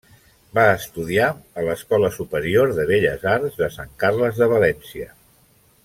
Va estudiar a l'Escola Superior de Belles Arts de Sant Carles de València.